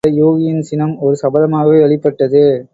சீறியெழுந்த யூகியின் சினம் ஒரு சபதமாக வெளிப்பட்டது.